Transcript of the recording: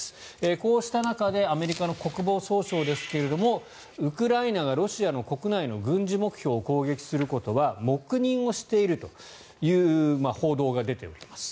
こうした中でアメリカの国防総省ですがウクライナがロシア国内の軍事目標を攻撃することは黙認をしているという報道が出ております。